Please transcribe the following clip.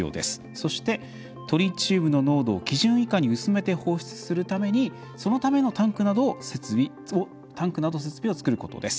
そして、トリチウムの濃度を基準以下に薄めて放出するためにそのためのタンクなど設備をつくることです。